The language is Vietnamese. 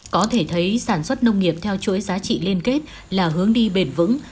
có thể thấy sản xuất nông nghiệp theo chuỗi giá trị liên kết là hướng đi bền vững